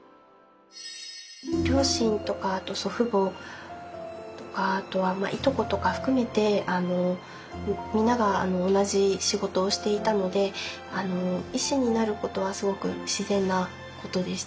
両親とか祖父母とかいとことか含めて皆が同じ仕事をしていたので医師になることはすごく自然なことでした。